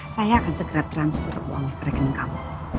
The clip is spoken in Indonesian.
saya akan segera transfer uang ke rekening kamu